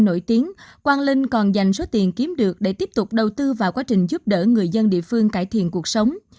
nổi tiếng quang linh còn dành số tiền kiếm được để tiếp tục đầu tư vào quá trình giúp đỡ người dân địa phương cải thiện cuộc sống